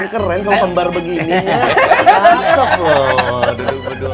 keren sama bar begini hahaha